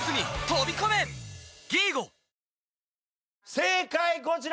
正解こちら！